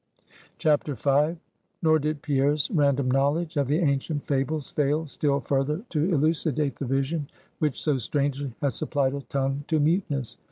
V. Nor did Pierre's random knowledge of the ancient fables fail still further to elucidate the vision which so strangely had supplied a tongue to muteness.